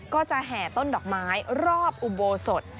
แห่ต้นดอกไม้รอบอุโบสถ